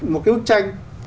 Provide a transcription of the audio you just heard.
một cái bức tranh